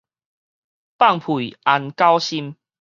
放屁安狗心